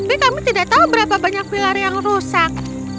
tapi kami tidak tahu berapa banyak pilar yang rusak